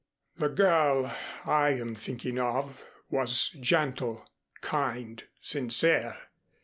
The girl I am thinking of was gentle, kind, sincere.